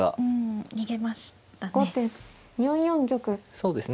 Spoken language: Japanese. そうですね。